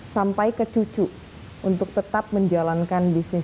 diterima tanpa diri